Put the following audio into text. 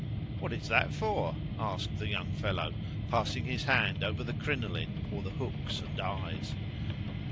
"What is that for?" asked the young fellow, passing his hand over the crinoline or the hooks and eyes.